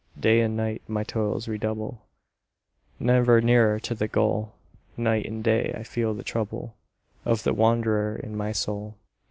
Day and night my toils redouble, Never nearer to the goal; Night and day, I feel the trouble Of the Wanderer in my soul.